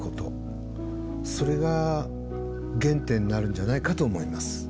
それが原点になるんじゃないかと思います。